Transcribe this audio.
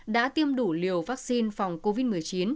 đã tiêm đủ liều vaccine phòng covid một mươi chín